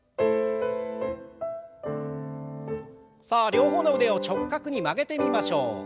さあ両方の腕を直角に曲げてみましょう。